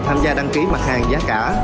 tham gia đăng ký mặt hàng giá cả